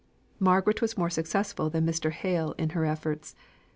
Margaret was more successful than Mr. Hale in her efforts.